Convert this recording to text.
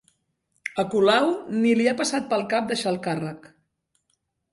A Colau ni li ha passat pel cap deixar el càrrec